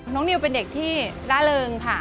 น้องนิวเป็นเด็กที่ละเริงค่ะ